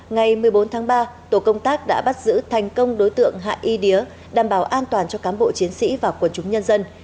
ngày một mươi bốn tháng ba tổ công tác đã bắt giữ thành công đối tượng hạ y đía đảm bảo an toàn cho cám bộ chiến sĩ và quần chúng nhân dân